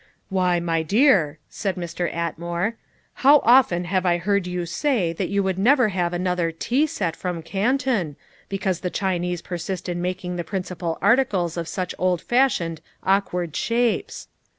"Why, my dear," said Mr. Atmore, "how often have I heard you say that you would never have another tea set from Canton, because the Chinese persist in making the principal articles of such old fashioned, awkward shapes.